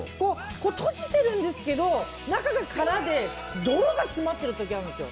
閉じてるんですけど中が空で泥が詰まってる時あるんですよ。